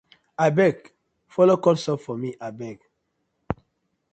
Abeg follo cut soap for mi abeg.